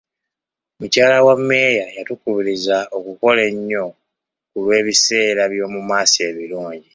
Mukyala wa mmeeya yatukubiriza okukola ennyo ku lw'ebiseera by'omu maaso ebirungi